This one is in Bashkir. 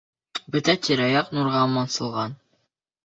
Бөтә тирә-яҡ нурға мансылған.